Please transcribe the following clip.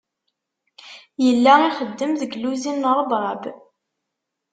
Yella ixeddem deg luzin n Rebrab.